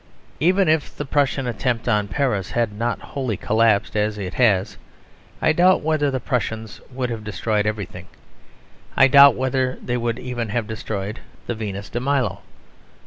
Even if the Prussian attempt on Paris had not wholly collapsed as it has, I doubt whether the Prussians would have destroyed everything. I doubt whether they would even have destroyed the Venus de Milo.